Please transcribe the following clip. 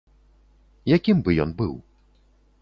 Якім бы ён быў?